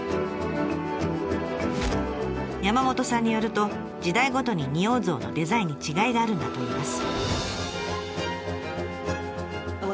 山本さんによると時代ごとに仁王像のデザインに違いがあるんだといいます。